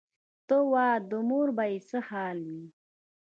ته وا د مور به یې څه حال وي.